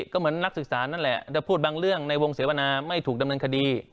ก็เหมือนนักศึกษานั่นแหละจะพูดบางเรื่องในวงเสวนาไม่ถูกดำเนินคดี